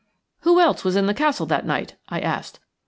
"Who else was in the castle that night?" I asked.